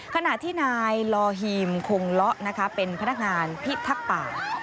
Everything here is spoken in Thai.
ขณะที่นายลอฮีมคงเลาะนะคะเป็นพนักงานพิทักษ์ป่า